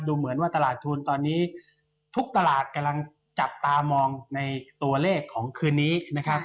เหมือนว่าตลาดทุนตอนนี้ทุกตลาดกำลังจับตามองในตัวเลขของคืนนี้นะครับ